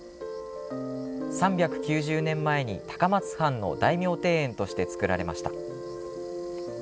３９０年前に高松藩の大名庭園として造られました。